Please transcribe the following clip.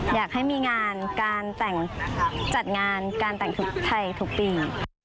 อยากให้มีงานการแต่งจัดงานการแต่งชุดไทยทุกปี